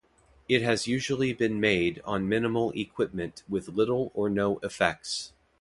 It has usually been made on minimal equipment with little or no effects.